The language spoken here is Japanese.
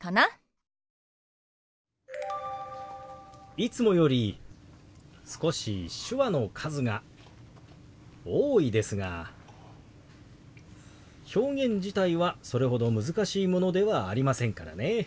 いつもより少し手話の数が多いですが表現自体はそれほど難しいものではありませんからね。